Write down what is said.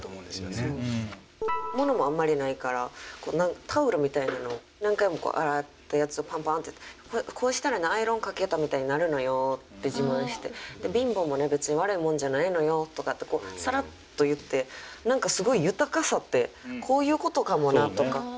ものもあんまりないからタオルみたいなの何回も洗ったやつをパンパンって「こうしたらアイロンかけたみたいになるのよ」って自慢して「貧乏もね別に悪いもんじゃないのよ」とかってさらっと言って何かすごい豊かさってこういうことかもなとか。